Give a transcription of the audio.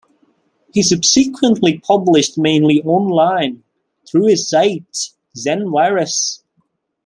He subsequently published mainly online, through his site, Zen Virus.